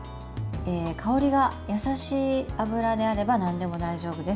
香りが優しい油であればなんでも大丈夫です。